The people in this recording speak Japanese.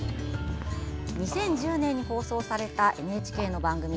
２０１０年に放送されたＮＨＫの番組。